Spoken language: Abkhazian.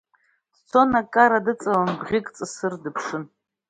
Дцон аккара дыҵалан, бӷьык ҵысыр дыԥшын.